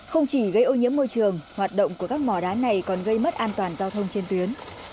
không chỉ gây ô nhiễm môi trường hoạt động của các mỏ đá này còn gây mất an toàn giao thông trên tuyến